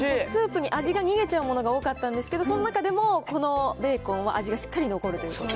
スープに味が逃げちゃうものがおおかったんですけどその中でもこのベーコンは味がしっかり残るという。